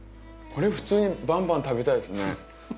これ普通にバンバン食べたいですね。